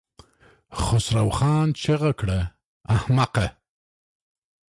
خسرو خان چيغه کړه! احمقه!